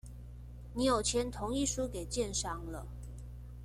你有簽同意書給建商了